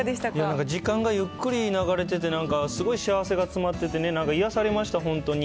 時間がゆっくり流れてて、なんか、すごい幸せが詰まっててね、なんか癒やされました、本当に。